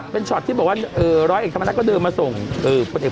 เป็นที่บอกว่าเอ่อร้อยเอกธรรมนักก็เดินมาส่งเอ่อปฏิเสธ